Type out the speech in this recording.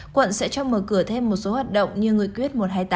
quận sẽ cho mở cửa thêm một số hoạt động như nghị quyết một trăm hai mươi tám